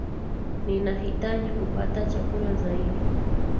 Ninahitaji kupata chakula zaidi.